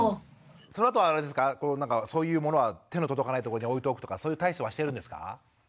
そのあとはそういうものは手の届かないとこに置いておくとかそういう対処はしてるんですか？